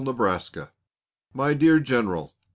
Nebraska. My Dear General.